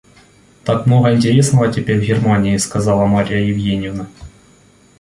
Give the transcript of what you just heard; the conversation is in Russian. Так много интересного теперь в Германии, — сказала Марья Евгеньевна.